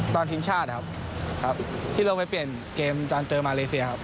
ตอนพิมพ์ชาติครับที่ลงไปเปลี่ยนเกมจนเจอมาเลเซียครับ